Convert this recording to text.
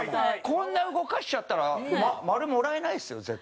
こんな動かしちゃったら○もらえないですよ絶対。